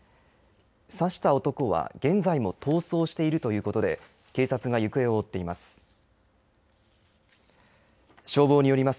刺した男は現在も逃走しているということで、警察が行方を追っています。